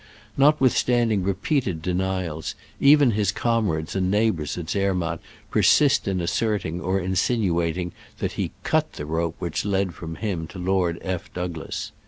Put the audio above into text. Notwithstanding repeat ed denials, even his comrades and neighbors at Zer matt persist in asserting or insinuating that he cut the rope which led from him to Lord F. Douglas.